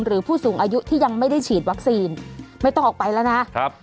ผู้สูงอายุที่ยังไม่ได้ฉีดวัคซีนไม่ต้องออกไปแล้วนะครับ